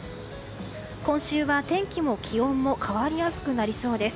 今週は天気も気温も変わりやすくなりそうです。